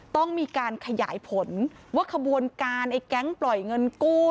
ต้องมีการขยายผลว่าขบวนการไอ้แก๊งปล่อยเงินกู้